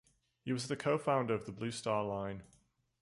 He was the co-founder of the Blue Star Line.